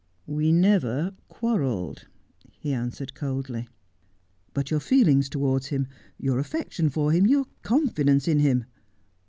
' We never quarrelled,' he answered coldly. ' But your feelings towards him, your affection for him, your confidence in him